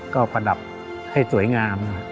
ก็ประดับให้สวยงาม